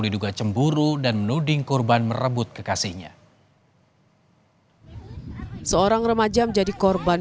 diduga cemburu dan menuding korban merebut kekasihnya seorang remaja menjadi korban